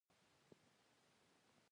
په پاکستان کې پنجابي استخباراتو هڅه کوله.